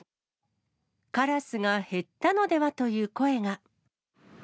カラスが減ったのではという声が。